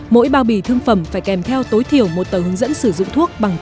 mỗi bao bì thương phẩm phải kèm theo tối thiểu một tờ hướng dẫn sử dụng thuốc